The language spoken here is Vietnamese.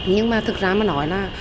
nhưng mà thực ra mà nói là